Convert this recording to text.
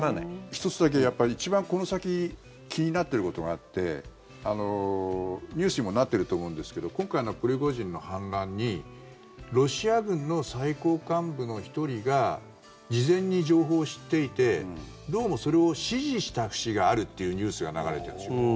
１つだけ、一番この先気になっていることがあってニュースにもなっていると思うんですけど今回のプリゴジンの反乱にロシア軍の最高幹部の１人が事前に情報を知っていてどうもそれを支持した節があるというニュースが流れているんですよ。